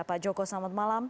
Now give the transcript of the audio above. pak joko selamat malam